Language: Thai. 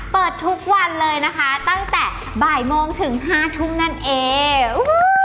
เปิดทุกวันเลยนะคะตั้งแต่บ่ายโมงถึง๕ทุ่มนั่นเอง